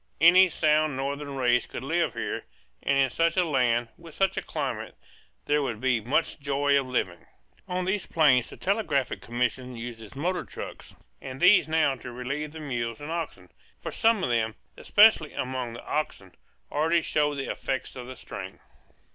Any sound northern race could live here; and in such a land, with such a climate, there would be much joy of living. On these plains the Telegraphic Commission uses motor trucks; and these now to relieve the mules and oxen; for some of them, especially among the oxen, already showed the effects of the strain.